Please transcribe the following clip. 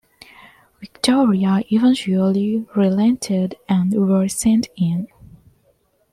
Victoria eventually relented and were sent in.